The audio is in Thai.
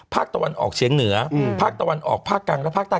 ภาคตะวันออกเฉียงเหนือภาคตะวันออกภาคกลางและภาคใต้